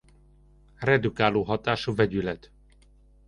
Redukáló hatású vegyület.